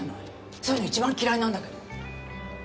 そういうの一番嫌いなんだけど。